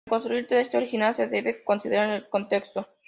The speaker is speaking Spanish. Para reconstruir el texto original, se debe considerar el contexto.